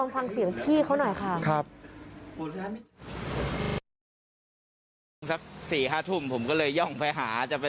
ฟังเสียงพี่เขาหน่อยค่ะครับสักสี่ห้าทุ่มผมก็เลยย่องไปหาจะไป